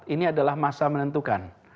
ini adalah masa menentukan